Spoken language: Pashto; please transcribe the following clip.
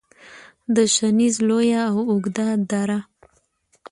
د شنیز لویه او اوږده دره